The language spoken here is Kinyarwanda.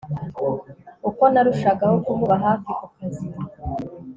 uko narushagaho kumuba hafi kukazi